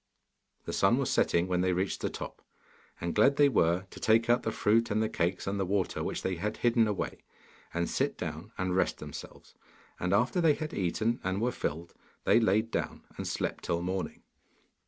The sun was setting when they reached the top, and glad they were to take out the fruit and the cakes and the water which they had hidden away, and sit down and rest themselves. And after they had eaten and were filled, they lay down and slept till morning.